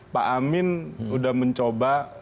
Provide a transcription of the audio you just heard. pak amin sudah mencoba